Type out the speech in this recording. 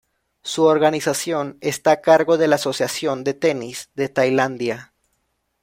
Su organización está a cargo de la Asociación de Tenis de Tailandia.